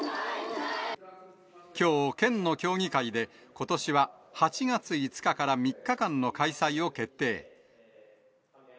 きょう、県の協議会で、ことしは８月５日から３日間の開催を決定。